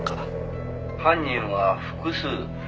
「犯人は複数。